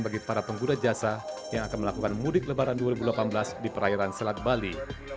bagi para pengguna jasa yang akan melakukan mudik lebaran dua ribu delapan belas di perairan selat bali